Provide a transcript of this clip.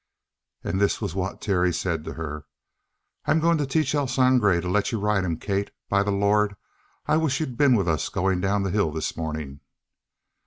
And this was what Terry said to her: "I'm going to teach El Sangre to let you ride him, Kate. By the Lord, I wish you'd been with us going down the hill this morning!"